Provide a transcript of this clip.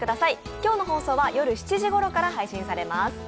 今日の放送は夜７時ごろから配信されます。